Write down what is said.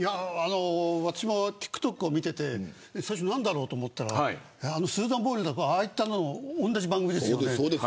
私もＴｉｋＴｏｋを見ていて最初なんだろうと思ったらスーザン・ボイルとかああいったのと同じ番組ですよね。